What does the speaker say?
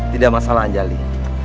tidak masalah anjali